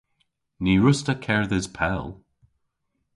Ny wruss'ta kerdhes pell.